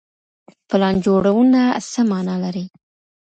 پلان جوړونه څه معنا لري؟